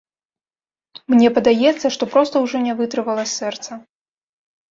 Мне падаецца, што проста ўжо не вытрывала сэрца.